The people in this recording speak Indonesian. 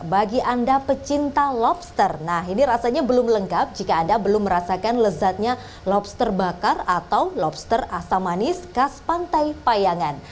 bagi anda pecinta lobster nah ini rasanya belum lengkap jika anda belum merasakan lezatnya lobster bakar atau lobster asam manis khas pantai payangan